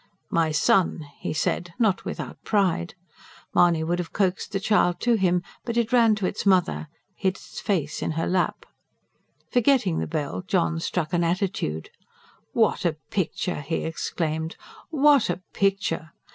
"My son," he said, not without pride. Mahony would have coaxed the child to him; but it ran to its mother, hid its face in her lap. Forgetting the bell John struck an attitude. "What a picture!" he exclaimed. "What a picture!